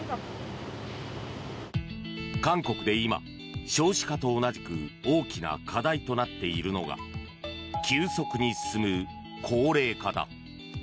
韓国で今、少子化と同じく大きな課題となっているのが急速に進む高齢化だ。